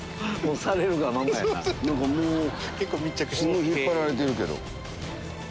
すんごい引っ張られてるけど。